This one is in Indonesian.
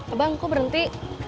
abang kok berhenti